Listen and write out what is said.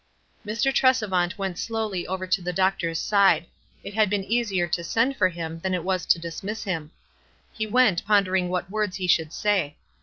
Mr. Tresevant went slowly over to the doc tor's side. It had been easier to send for him than it was to dismiss him. He went ponder ing what words he should say.